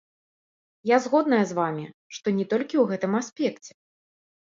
Я згодная з вамі, што не толькі ў гэтым аспекце.